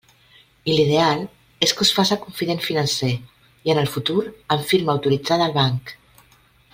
I l'ideal és que us faça confident financer, i en el futur amb firma autoritzada al banc.